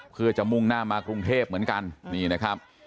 เพื่อจะมุ่งหน้ามากรุงเทพเหมือนกันนี่นะครับ